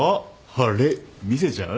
あれ見せちゃう？